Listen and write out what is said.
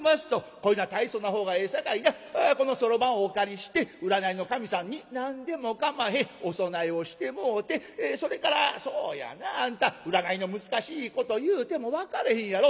こういうのは大層なほうがええさかいなこのそろばんをお借りして占いの神さんに何でもかまへんお供えをしてもうてそれからそうやなあんた占いの難しいこと言うても分かれへんやろ？